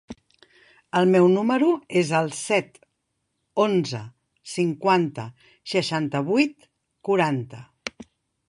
El meu número es el set, onze, cinquanta, seixanta-vuit, quaranta.